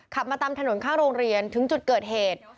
ขับมาตามถนนข้างโรงเรียนถึงจุดเกิดเหตุ